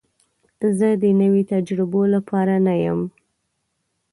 زه د نوي تجربو لپاره نه یم.